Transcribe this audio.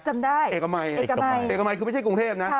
จำได้เอกมัยเอกมัยเอกมัยคือไม่ใช่กรุงเทพนะ